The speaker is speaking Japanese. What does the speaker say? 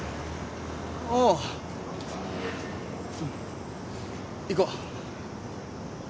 おううん行こう。